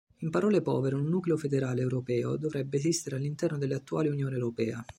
In parole povere un nucleo federale europeo dovrebbe esistere all'interno dell'attuale Unione europea.